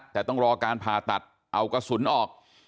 แต่ต้องรอการผ่าตัดเอากระสุนออก